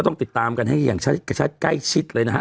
ต้องติดตามกันให้อย่างกระชัดเลยนะฮะ